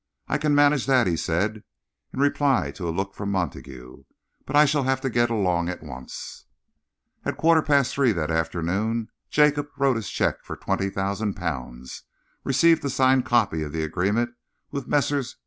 "I can manage it," he said, in reply to a look from Montague, "but I shall have to get along at once." At a quarter past three that afternoon, Jacob wrote his cheque for twenty thousand pounds, received a signed copy of the agreement with Messrs.